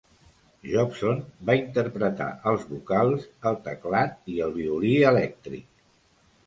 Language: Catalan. Jobson va interpretar els vocals, el teclat i el violí elèctric.